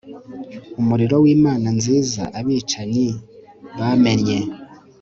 Umuriro wimana nziza abicanyi bamennye